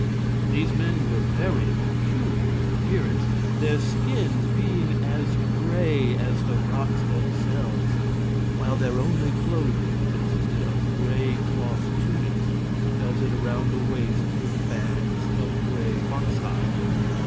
These men were very peculiar in appearance, their skins being as gray as the rocks themselves, while their only clothing consisted of gray cloth tunics belted around the waists with bands of gray fox hide.